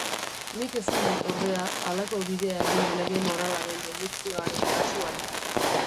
Nik ezin dut, ordea, halako bidea egin lege moralaren dedukzioaren kasuan.